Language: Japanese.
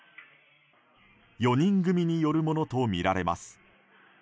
４人組によるものとみられます。